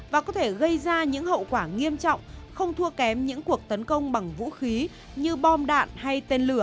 và có thể gây ra những hậu quả nghiêm trọng không thua kém những cuộc tấn công bằng vũ khí như bom đạn hay tên lửa